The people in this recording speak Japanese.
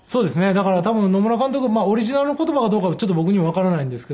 だから多分野村監督オリジナルの言葉かどうかちょっと僕にはわからないんですけど。